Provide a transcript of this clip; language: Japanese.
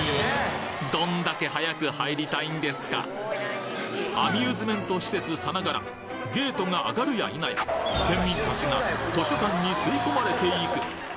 どんだけ早く入りたいんですかアミューズメント施設さながらゲートが上がるや否や県民たちが図書館に吸い込まれていく！